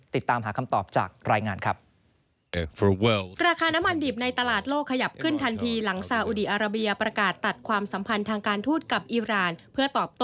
ติดตามหาคำตอบจากรายงานครับ